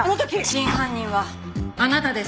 真犯人はあなたです矢上課長。